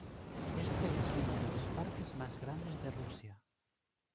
Este es uno de los parques más grandes de Rusia.